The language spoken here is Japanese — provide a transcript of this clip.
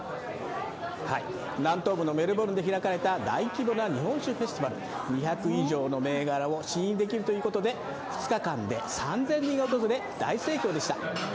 南東部、メルボルンで開かれた大規模な日本酒フェスティバル、２００以上の銘柄を試飲できると言うことで２日間で３０００人が訪れ、大盛況でした。